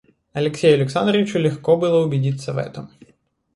Алексею Александровичу легко было убедиться в этом.